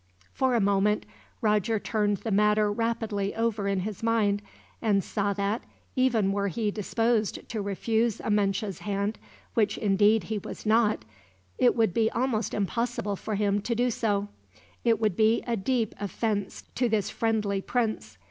For a moment Roger turned the matter rapidly over in his mind, and saw that, even were he disposed to refuse Amenche's hand, which indeed he was not, it would be almost impossible for him to do so. It would be a deep offense to this friendly prince.